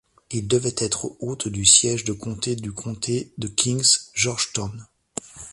Il devait être hôte du siège de comté du comté de Kings, Georgetown.